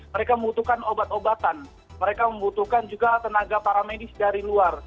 mereka membutuhkan obat obatan mereka membutuhkan juga tenaga para medis dari luar